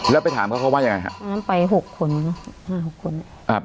แล้วไปถามเขาเขาว่ายังไงฮะอันนั้นไปหกคนห้าหก